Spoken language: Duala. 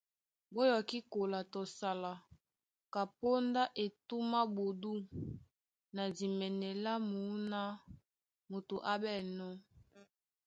Ɓó yɔkí kola tɔ sala, kapóndá etûm á ɓodû na dimɛnɛ lá mǔná moto á ɓɛ̂nnɔ́.